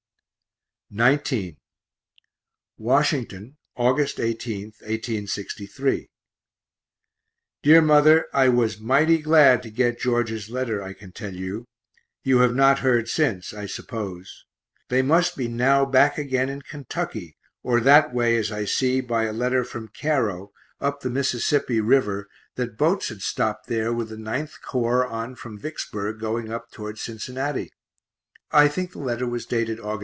XIX Washington, Aug. 18, 1863. DEAR MOTHER I was mighty glad to get George's letter, I can tell you you have not heard since, I suppose. They must be now back again in Kentucky, or that way, as I see [by] a letter from Cairo (up the Mississippi river) that boats had stopt there with the 9th Corps on from Vicksburg, going up towards Cincinnati I think the letter was dated Aug.